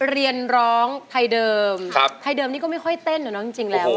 เรียนร้องไทยเดิมไทยเดิมนี่ก็ไม่ค่อยเต้นนะจริงแล้ว